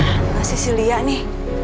kemana sih siliah nih